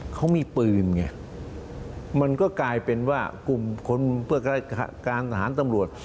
เขามีปืนไงมันก็กลายเป็นว่ากลุ่มคนเพื่อการทหารตำรวจ